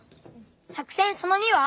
作戦その２は？